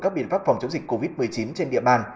các biện pháp phòng chống dịch covid một mươi chín trên địa bàn